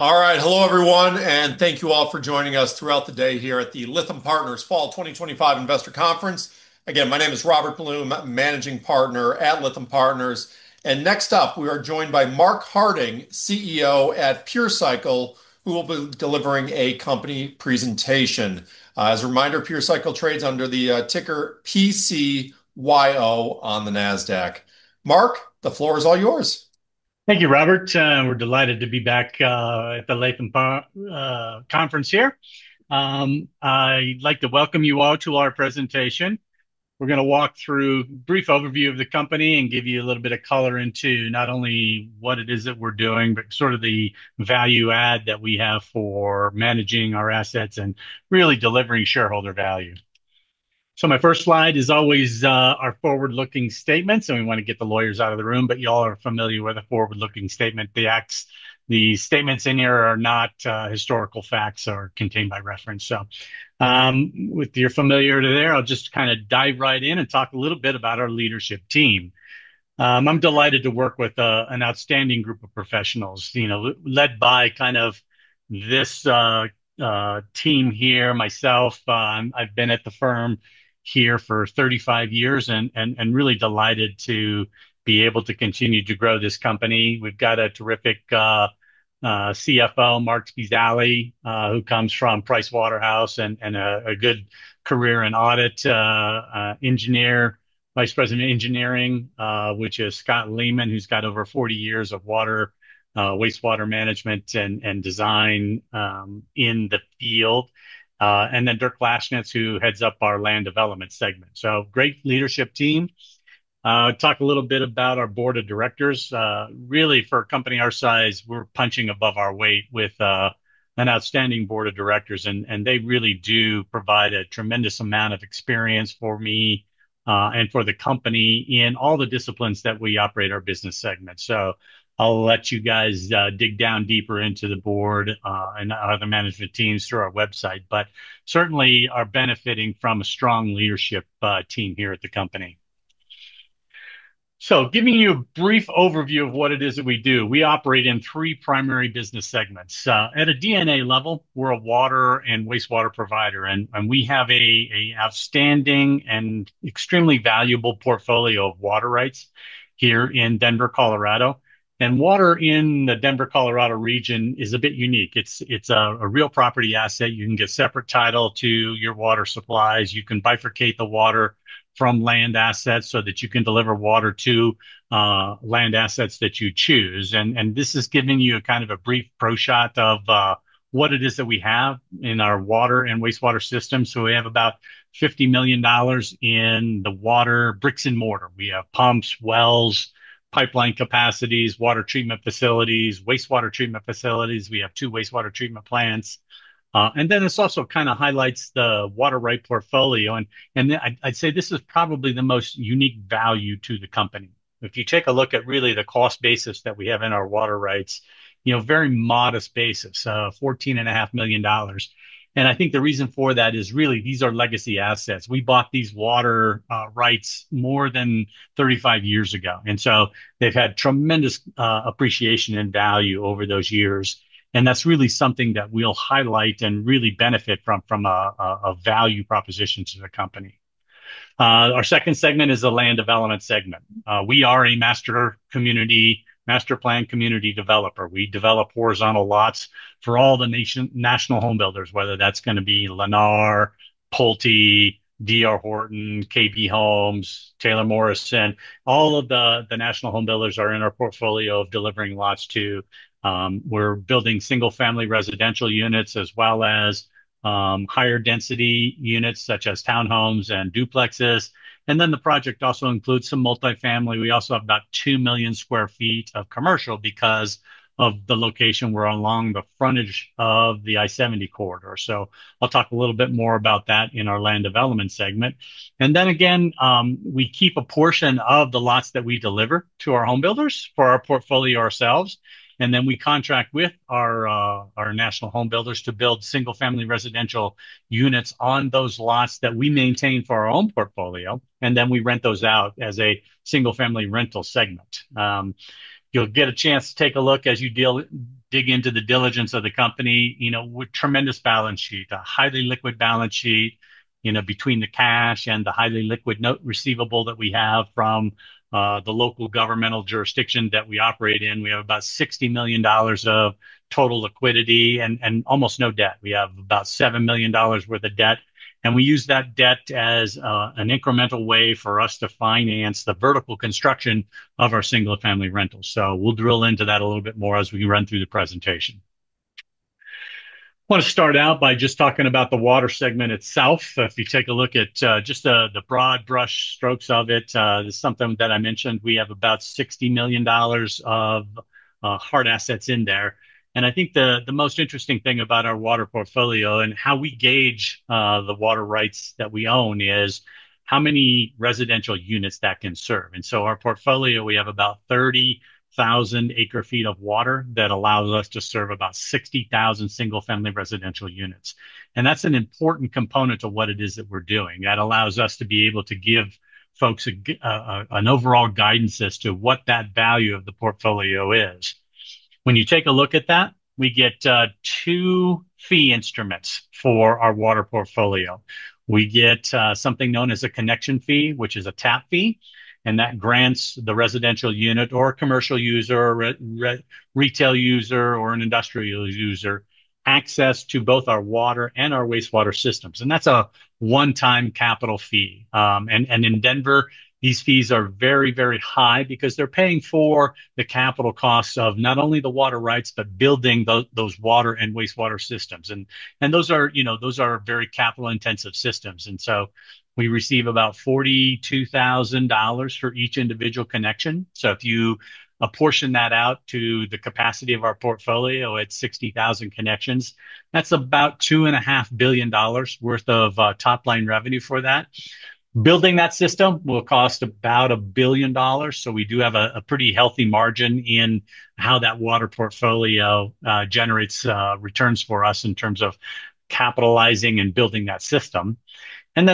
All right, hello everyone, and thank you all for joining us throughout the day here at the Lithium Partners Fall 2025 Investor Conference. Again, my name is Robert Bloom, Managing Partner at Lithium Partners. Next up, we are joined by Marc Harding, CEO at Pure Cycle, who will be delivering a company presentation. As a reminder, Pure Cycle trades under the ticker PCYO on the NASDAQ. Marc, the floor is all yours. Thank you, Robert. We're delighted to be back at the Lithium Conference here. I'd like to welcome you all to our presentation. We're going to walk through a brief overview of the company and give you a little bit of color into not only what it is that we're doing, but sort of the value add that we have for managing our assets and really delivering shareholder value. My first slide is always our forward-looking statement. We want to get the lawyers out of the room, but you all are familiar with a forward-looking statement. The statements in here are not historical facts or contained by reference. With your familiarity there, I'll just kind of dive right in and talk a little bit about our leadership team. I'm delighted to work with an outstanding group of professionals, led by kind of this team here, myself. I've been at the firm here for 35 years and really delighted to be able to continue to grow this company. We've got a terrific CFO, Marc Spezialy, who comes from Pricewaterhouse and a good career in audit. Engineer, Vice President of Engineering, which is Scott Lehman, who's got over 40 years of water, wastewater management and design in the field. Dirk Lashnits, who heads up our land development segment. Great leadership team. Talk a little bit about our board of directors. Really, for a company our size, we're punching above our weight with an outstanding board of directors. They really do provide a tremendous amount of experience for me and for the company in all the disciplines that we operate our business segment. I'll let you guys dig down deeper into the board and other management teams through our website. Certainly, we are benefiting from a strong leadership team here at the company. Giving you a brief overview of what it is that we do, we operate in three primary business segments. At a DNA level, we're a water and wastewater provider, and we have an outstanding and extremely valuable portfolio of water rights here in Denver, Colorado. Water in the Denver, Colorado region is a bit unique. It's a real property asset. You can get a separate title to your water supplies. You can bifurcate the water from land assets so that you can deliver water to land assets that you choose. This is giving you a kind of a brief pro shot of what it is that we have in our water and wastewater system. We have about $50 million in the water bricks and mortar. We have pumps, wells, pipeline capacities, water treatment facilities, wastewater treatment facilities. We have two wastewater treatment plants. It also kind of highlights the water right portfolio. I'd say this is probably the most unique value to the company. If you take a look at really the cost basis that we have in our water rights, you know, very modest basis, $14.5 million. I think the reason for that is really these are legacy assets. We bought these water rights more than 35 years ago. They've had tremendous appreciation in value over those years. That's really something that we'll highlight and really benefit from a value proposition to the company. Our second segment is the land development segment. We are a master-planned community developer. We develop horizontal lots for all the national homebuilders, whether that's going to be Lennar, Pulte, D.R. Horton, KB Home, Taylor Morrison. All of the national homebuilders are in our portfolio of delivering lots to. We're building single-family residential units as well as higher density units such as townhomes and duplexes. The project also includes some multifamily. We also have about 2 million square feet of commercial because of the location; we're along the frontage of the I-70 corridor. I'll talk a little bit more about that in our land development segment. We keep a portion of the lots that we deliver to our homebuilders for our portfolio ourselves. We contract with our national homebuilders to build single-family residential units on those lots that we maintain for our own portfolio. We rent those out as a single-family rental segment. You'll get a chance to take a look as you dig into the diligence of the company, you know, with a tremendous balance sheet, a highly liquid balance sheet, between the cash and the highly liquid receivable that we have from the local governmental jurisdiction that we operate in. We have about $60 million of total liquidity and almost no debt. We have about $7 million worth of debt. We use that debt as an incremental way for us to finance the vertical construction of our single-family rentals. We'll drill into that a little bit more as we run through the presentation. I want to start out by just talking about the water segment itself. If you take a look at just the broad brush strokes of it, this is something that I mentioned. We have about $60 million of hard assets in there. I think the most interesting thing about our water portfolio and how we gauge the water rights that we own is how many residential units that can serve. Our portfolio, we have about 30,000 acre feet of water that allows us to serve about 60,000 single-family residential units. That's an important component of what it is that we're doing. That allows us to be able to give folks an overall guidance as to what that value of the portfolio is. When you take a look at that, we get two fee instruments for our water portfolio. We get something known as a connection fee, which is a TAP fee, and that grants the residential unit or a commercial user, a retail user, or an industrial user access to both our water and our wastewater systems. That's a one-time capital fee. In Denver, these fees are very, very high because they're paying for the capital costs of not only the water rights, but building those water and wastewater systems. Those are very capital-intensive systems. We receive about $42,000 for each individual connection. If you apportion that out to the capacity of our portfolio at 60,000 connections, that's about $2.5 billion worth of top-line revenue for that. Building that system will cost about $1 billion. We do have a pretty healthy margin in how that water portfolio generates returns for us in terms of capitalizing and building that system.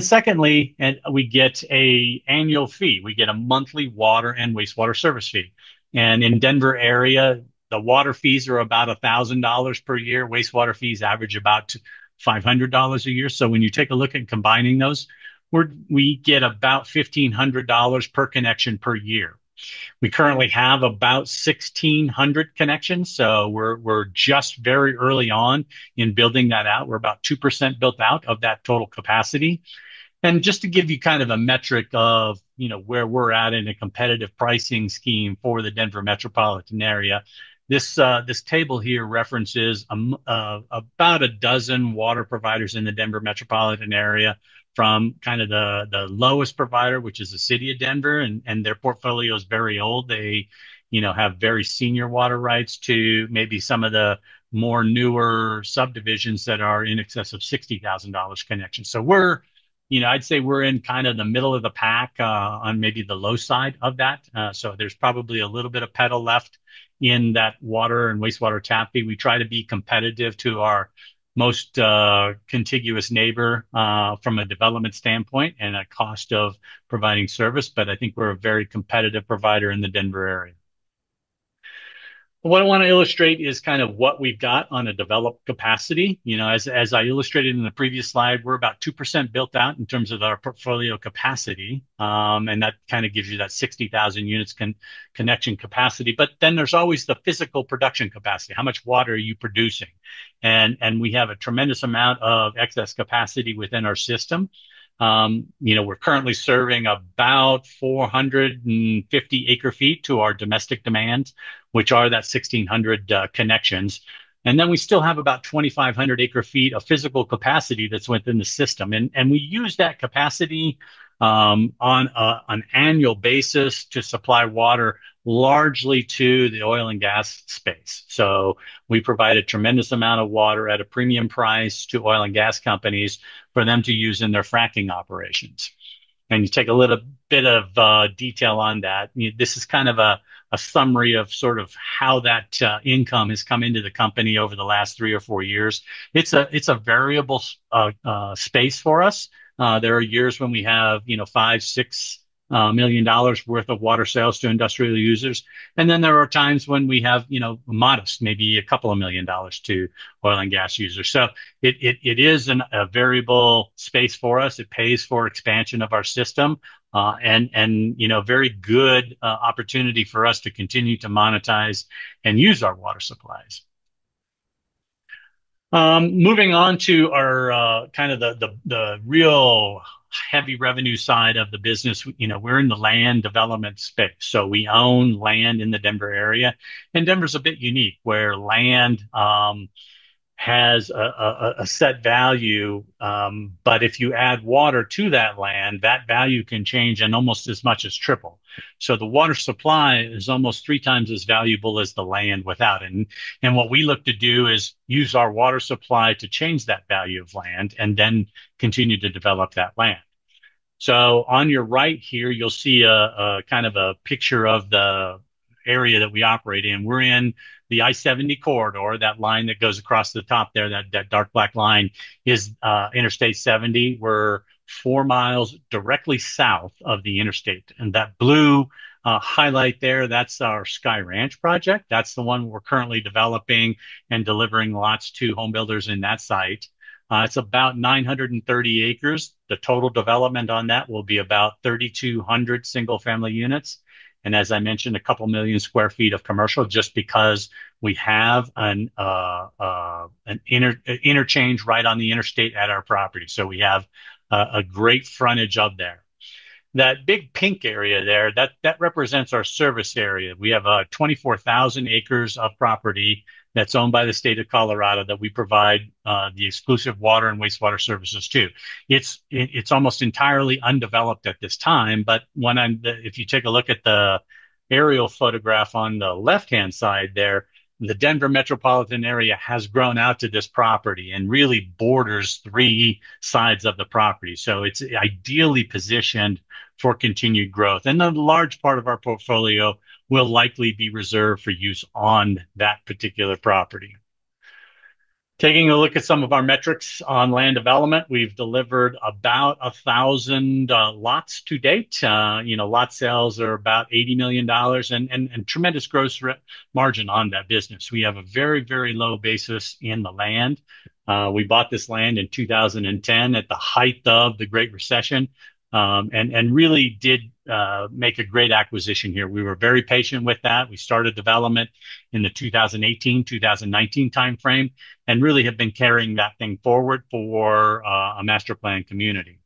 Secondly, we get an annual fee. We get a monthly water and wastewater service fee. In the Denver area, the water fees are about $1,000 per year. Wastewater fees average about $500 a year. When you take a look at combining those, we get about $1,500 per connection per year. We currently have about 1,600 connections. We're just very early on in building that out. We're about 2% built out of that total capacity. Just to give you kind of a metric of where we're at in a competitive pricing scheme for the Denver metropolitan area, this table here references about a dozen water providers in the Denver metropolitan area from kind of the lowest provider, which is the city of Denver. Their portfolio is very old. They have very senior water rights to maybe some of the more newer subdivisions that are in excess of $60,000 connections. We're in kind of the middle of the pack on maybe the low side of that. There's probably a little bit of pedal left in that water and wastewater TAP fee. We try to be competitive to our most contiguous neighbor from a development standpoint and a cost of providing service. I think we're a very competitive provider in the Denver area. What I want to illustrate is kind of what we've got on a developed capacity. As I illustrated in the previous slide, we're about 2% built out in terms of our portfolio capacity. That kind of gives you that 60,000 units connection capacity. There's always the physical production capacity. How much water are you producing? We have a tremendous amount of excess capacity within our system. We're currently serving about 450 acre feet to our domestic demands, which are that 1,600 connections. We still have about 2,500 acre feet of physical capacity that's within the system. We use that capacity on an annual basis to supply water largely to the oil and gas space. We provide a tremendous amount of water at a premium price to oil and gas companies for them to use in their fracking operations. You take a little bit of detail on that. This is kind of a summary of how that income has come into the company over the last three or four years. It's a variable space for us. There are years when we have $5 million, $6 million worth of water sales to industrial users. There are times when we have modest, maybe a couple of million dollars to oil and gas users. It is a variable space for us. It pays for expansion of our system and a very good opportunity for us to continue to monetize and use our water supplies. Moving on to our kind of the real heavy revenue side of the business, we're in the land development space. We own land in the Denver area. Denver is a bit unique where land has a set value. If you add water to that land, that value can change and almost as much as triple. The water supply is almost three times as valuable as the land without it. What we look to do is use our water supply to change that value of land and then continue to develop that land. On your right here, you'll see a picture of the area that we operate in. We're in the I-70 corridor. That line that goes across the top there, that dark black line, is Interstate 70. We're four miles directly south of the interstate. That blue highlight there, that's our Sky Ranch project. That's the one we're currently developing and delivering lots to home builders in that site. It's about 930 acres. The total development on that will be about 3,200 single-family units. As I mentioned, a couple million square feet of commercial just because we have an interchange right on the interstate at our property. We have a great frontage of there. That big pink area there represents our service area. We have 24,000 acres of property that's owned by the state of Colorado that we provide the exclusive water and wastewater services to. It's almost entirely undeveloped at this time. If you take a look at the aerial photograph on the left-hand side there, the Denver metropolitan area has grown out to this property and really borders three sides of the property. It's ideally positioned for continued growth. A large part of our portfolio will likely be reserved for use on that particular property. Taking a look at some of our metrics on land development, we've delivered about 1,000 lots to date. Lot sales are about $80 million and tremendous gross margin on that business. We have a very, very low basis in the land. We bought this land in 2010 at the height of the Great Recession and really did make a great acquisition here. We were very patient with that. We started development in the 2018-2019 timeframe and really have been carrying that thing forward for a master-planned community.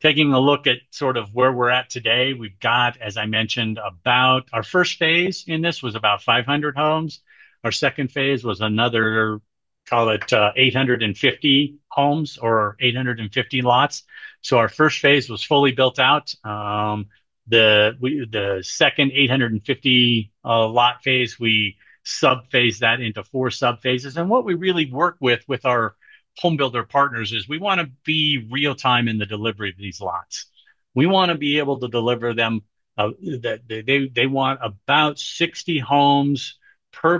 Taking a look at sort of where we're at today, we've got, as I mentioned, about our first phase in this was about 500 homes. Our second phase was another, call it 850 homes or 850 lots. Our first phase was fully built out. The second 850 lot phase, we subphased that into four subphases. What we really work with with our home builder partners is we want to be real-time in the delivery of these lots. We want to be able to deliver them. They want about 60 homes per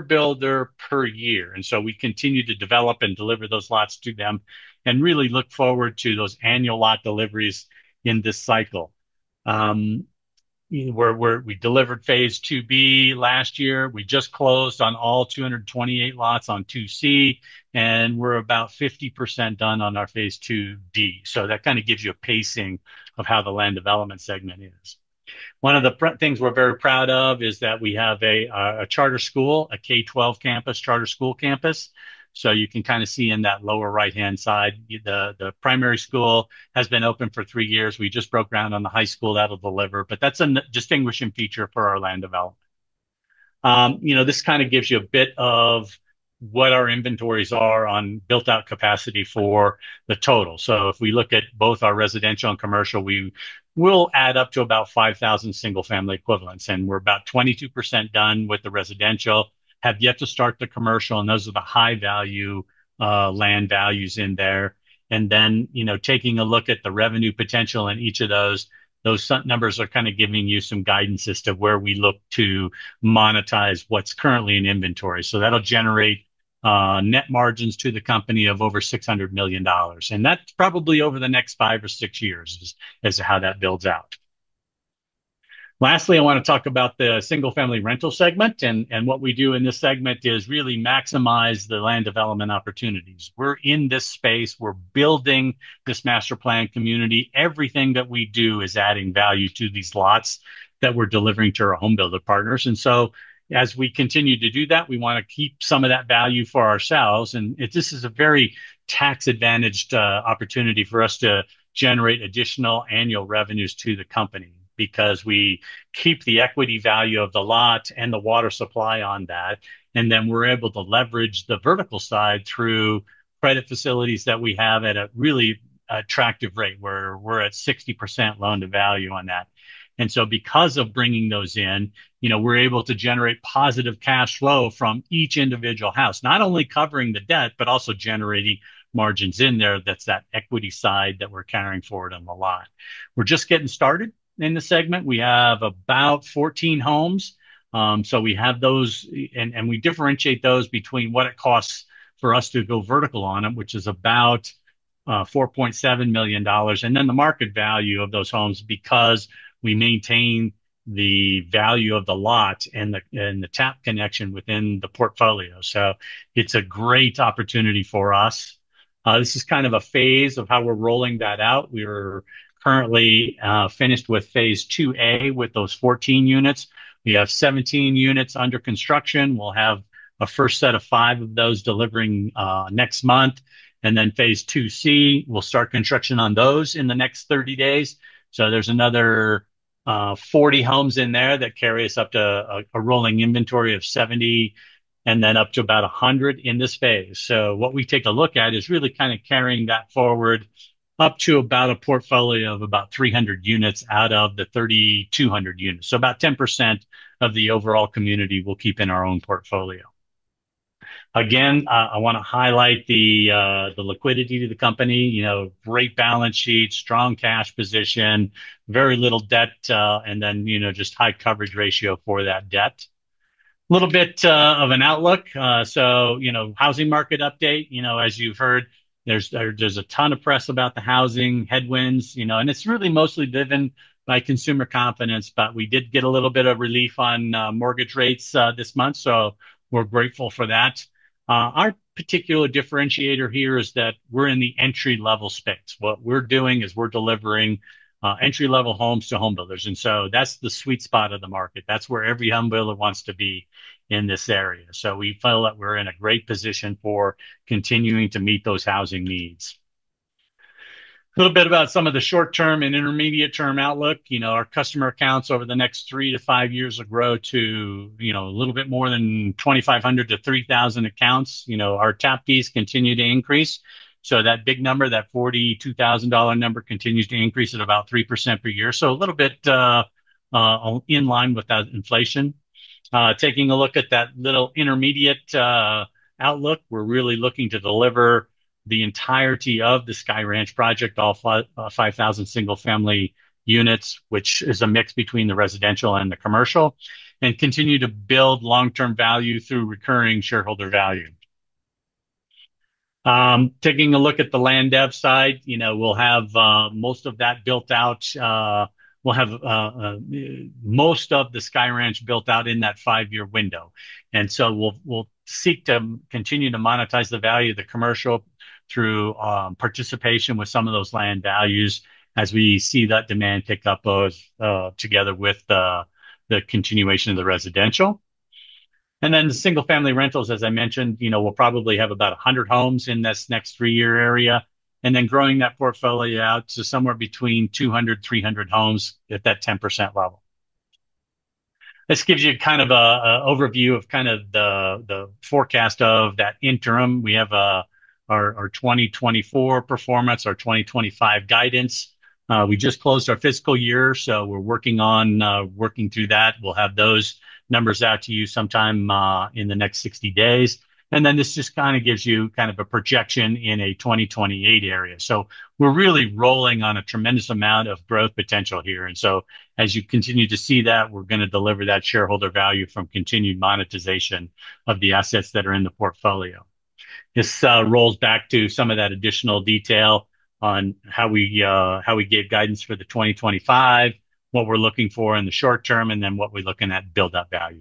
builder per year. We continue to develop and deliver those lots to them and really look forward to those annual lot deliveries in this cycle. We delivered phase 2B last year. We just closed on all 228 lots on 2C, and we're about 50% done on our phase 2D. That kind of gives you a pacing of how the land development segment is. One of the things we're very proud of is that we have a charter school, a K-12 campus, charter school campus. You can kind of see in that lower right-hand side, the primary school has been open for three years. We just broke ground on the high school that'll deliver. That's a distinguishing feature for our land development. This kind of gives you a bit of what our inventories are on built-out capacity for the total. If we look at both our residential and commercial, we will add up to about 5,000 single-family equivalents. We're about 22% done with the residential, have yet to start the commercial, and those are the high-value land values in there. Taking a look at the revenue potential in each of those, those numbers are kind of giving you some guidance as to where we look to monetize what's currently in inventory. That'll generate net margins to the company of over $600 million. That's probably over the next five or six years as to how that builds out. Lastly, I want to talk about the single-family rental segment. What we do in this segment is really maximize the land development opportunities. We're in this space. We're building this master-planned community. Everything that we do is adding value to these lots that we're delivering to our home builder partners. As we continue to do that, we want to keep some of that value for ourselves. This is a very tax-advantaged opportunity for us to generate additional annual revenues to the company because we keep the equity value of the lot and the water supply on that. We're able to leverage the vertical side through credit facilities that we have at a really attractive rate where we're at 60% loan to value on that. Because of bringing those in, we're able to generate positive cash flow from each individual house, not only covering the debt, but also generating margins in there. That's that equity side that we're carrying forward on the lot. We're just getting started in the segment. We have about 14 homes. We have those, and we differentiate those between what it costs for us to go vertical on them, which is about $4.7 million, and then the market value of those homes because we maintain the value of the lot and the TAP connection within the portfolio. It's a great opportunity for us. This is kind of a phase of how we're rolling that out. We're currently finished with phase 2A with those 14 units. We have 17 units under construction. We'll have a first set of five of those delivering next month. Phase 2C will start construction on those in the next 30 days. There's another 40 homes in there that carry us up to a rolling inventory of 70 and then up to about 100 in this phase. What we take a look at is really kind of carrying that forward up to about a portfolio of about 300 units out of the 3,200 units. About 10% of the overall community we'll keep in our own portfolio. Again, I want to highlight the liquidity to the company. Great balance sheet, strong cash position, very little debt, and just high coverage ratio for that debt. A little bit of an outlook. Housing market update, as you've heard, there's a ton of press about the housing headwinds, and it's really mostly driven by consumer confidence. We did get a little bit of relief on mortgage rates this month, so we're grateful for that. Our particular differentiator here is that we're in the entry-level space. What we're doing is we're delivering entry-level homes to home builders, and that's the sweet spot of the market. That's where every home builder wants to be in this area. We feel that we're in a great position for continuing to meet those housing needs. A little bit about some of the short-term and intermediate-term outlook. Our customer accounts over the next three to five years will grow to a little bit more than 2,500 to 3,000 accounts. Our TAP fees continue to increase, so that big number, that $42,000 number, continues to increase at about 3% per year, a little bit in line with that inflation. Taking a look at that little intermediate outlook, we're really looking to deliver the entirety of the Sky Ranch project, all 5,000 single-family units, which is a mix between the residential and the commercial, and continue to build long-term value through recurring shareholder value. Taking a look at the land development side, we'll have most of that built out. We'll have most of the Sky Ranch built out in that five-year window. We'll seek to continue to monetize the value of the commercial through participation with some of those land values as we see that demand pick up both together with the continuation of the residential. The single-family home rentals, as I mentioned, we'll probably have about 100 homes in this next three-year area, and then growing that portfolio out to somewhere between 200, 300 homes at that 10% level. This gives you kind of an overview of the forecast of that interim. We have our 2024 performance, our 2025 guidance. We just closed our fiscal year, so we're working on working through that. We'll have those numbers out to you sometime in the next 60 days. This just kind of gives you kind of a projection in a 2028 area. We're really rolling on a tremendous amount of growth potential here. As you continue to see that, we're going to deliver that shareholder value from continued monetization of the assets that are in the portfolio. This rolls back to some of that additional detail on how we gave guidance for the 2025, what we're looking for in the short term, and then what we're looking at build-up value.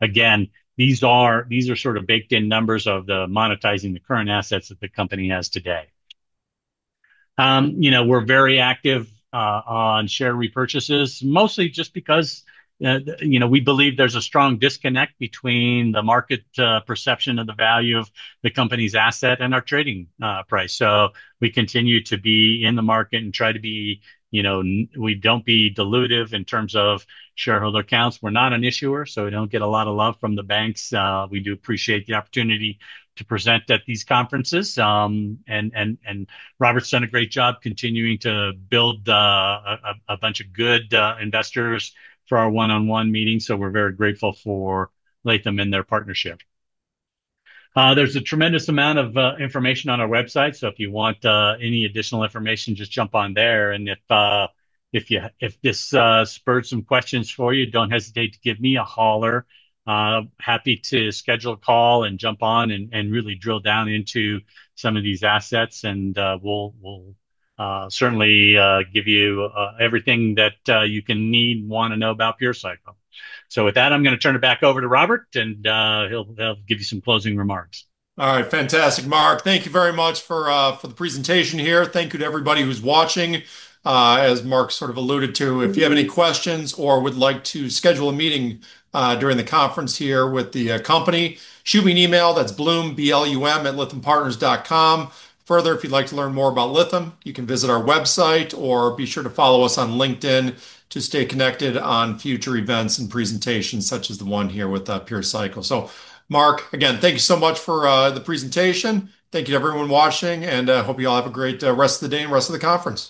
Again, these are sort of baked-in numbers of the monetizing the current assets that the company has today. We're very active on share repurchases, mostly just because we believe there's a strong disconnect between the market perception of the value of the company's asset and our trading price. We continue to be in the market and try to be, you know, we don't be dilutive in terms of shareholder accounts. We're not an issuer, so we don't get a lot of love from the banks. We do appreciate the opportunity to present at these conferences. Robert's done a great job continuing to build a bunch of good investors for our one-on-one meetings. We're very grateful for Lithium Partners and their partnership. There's a tremendous amount of information on our website. If you want any additional information, just jump on there. If this spurred some questions for you, don't hesitate to give me a holler. Happy to schedule a call and jump on and really drill down into some of these assets. We'll certainly give you everything that you can need and want to know about Pure Cycle. With that, I'm going to turn it back over to Robert, and he'll give you some closing remarks. All right, fantastic. Marc, thank you very much for the presentation here. Thank you to everybody who's watching. As Marc sort of alluded to, if you have any questions or would like to schedule a meeting during the conference here with the company, shoot me an email. That's bloomblum@lithiumpartners.com. Further, if you'd like to learn more about Lithium, you can visit our website or be sure to follow us on LinkedIn to stay connected on future events and presentations such as the one here with Pure Cycle. Marc, again, thank you so much for the presentation. Thank you to everyone watching, and I hope you all have a great rest of the day and rest of the conference.